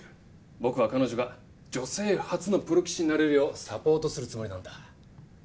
僕は彼女が女性初のプロ棋士になれるようサポートするつもりなんだ。